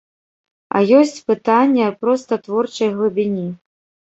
А ёсць пытанне проста творчай глыбіні.